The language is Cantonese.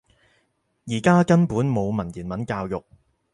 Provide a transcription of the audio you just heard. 而家根本冇文言文教育